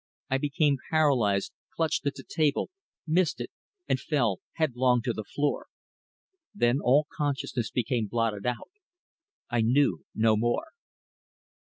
I became paralysed, clutched at the table, missed it, and fell headlong to the floor. Then all consciousness became blotted out. I knew no more.